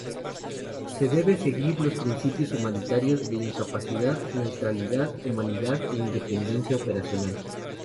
Debe seguir los principios humanitarios de imparcialidad, neutralidad, humanidad e independencia operacional.